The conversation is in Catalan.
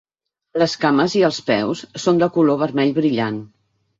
Les cames i els peus són de color vermell brillant.